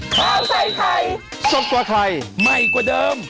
คร้าวใส่ไข่ชดตัวไข่ใหม่กว่าเดิม